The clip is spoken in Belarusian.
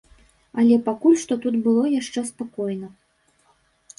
Але пакуль што тут было яшчэ спакойна.